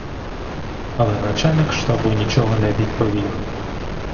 Але начальник штабу нічого не відповів.